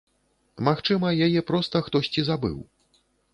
Магчыма, яе проста хтосьці забыў.